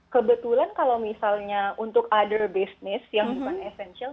kebetulan kalau misalnya untuk other business yang bukan essential